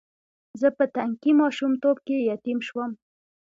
زه په تنکي ماشومتوب کې یتیم شوم.